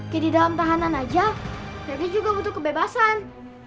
jadi dalam tahanan aja febri juga butuh kebebasan